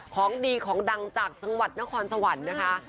ของดีของดังจากจังหวัดนครสวรรค์นะคะ